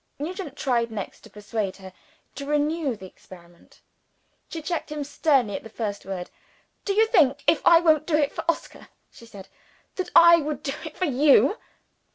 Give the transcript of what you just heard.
Nugent tried next to persuade her to renew the experiment. She checked him sternly at the first word. "Do you think if I won't do it for Oscar," she said, "that I would do it for you?